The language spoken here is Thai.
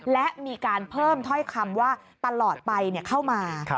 และมีการเพิ่มถ้อยคำว่าตลอดไปเข้ามา